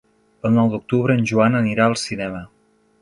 El nou d'octubre en Joan anirà al cinema.